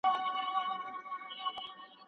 په ویاړلي مدنیت پورې تړلې